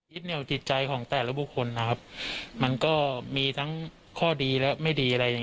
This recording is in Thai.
เหนียวจิตใจของแต่ละบุคคลนะครับมันก็มีทั้งข้อดีและไม่ดีอะไรอย่าง